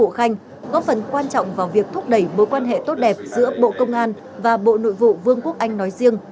quốc vụ khanh có phần quan trọng vào việc thúc đẩy bối quan hệ tốt đẹp giữa bộ công an và bộ nội vụ vương quốc anh nói riêng